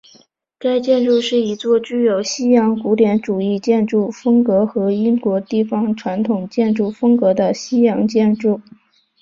该建筑是一座具有西洋古典主义建筑风格和英国地方传统建筑风格的西洋建筑。